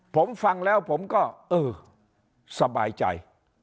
ผมฟังแล้วผมก็เออสบายใจ